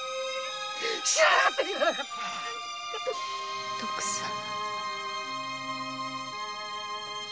知らなかった‼徳さん。